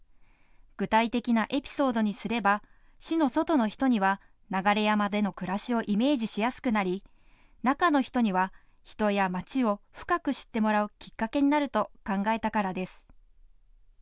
具体的なエピソードにすれば市の外の人には流山での暮らしをイメージしやすくなり中の人には、人や町を深く知ってもらうきっかけになると考えたからです。